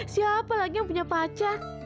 siapa lagi yang punya pacar